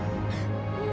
jika begitu kesah catatan